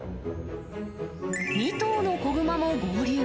２頭の子グマも合流。